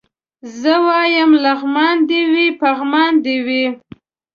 زه وايم لغمان دي وي پغمان دي وي